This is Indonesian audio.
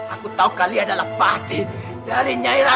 aku tahu kalian adalah batin dari nyairan